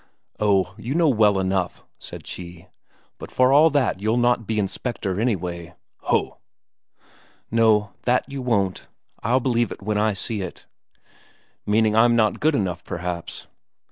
"Oh, you know well enough," said she. "But for all that you'll not be Inspector, anyway." "Ho!" "No, that you won't. I'll believe it when I see it." "Meaning I'm not good enough, perhaps?"